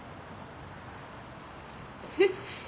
えっ？